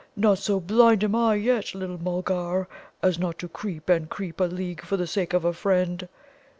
"Not so blind am I yet, little Mulgar, as not to creep and creep a league for the sake of a friend.